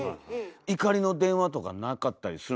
怒りの電話とかなかったりするんですか